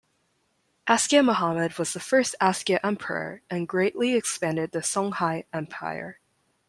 Askia Mohammed was the first Askia emperor and greatly expanded the Songhai Empire.